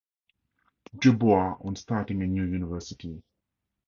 Du Bois on starting a new university.